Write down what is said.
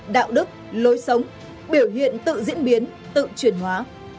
đạo đức lối sống biểu hiện tự diễn biến tự chuyển hóa